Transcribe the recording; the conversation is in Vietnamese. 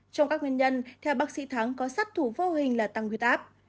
trong các nguyên nhân theo bác sĩ thắng có sát thủ vô hình là tăng huyết áp